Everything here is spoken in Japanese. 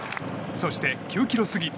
そして、９ｋｍ過ぎ。